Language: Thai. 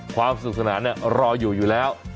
ความสุขสนานรออยู่อยู่แล้ว